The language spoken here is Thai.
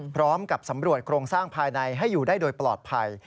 พร้อมกับสำรวจโครงสร้างภายในให้อยู่ได้โดยปลอดภัย